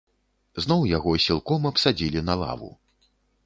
Зноў яго сілком абсадзілі на лаву.